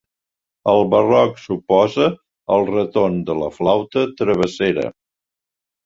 El Barroc suposa el retorn de la flauta travessera.